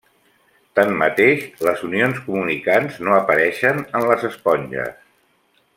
Tanmateix, les unions comunicants no apareixen en les esponges.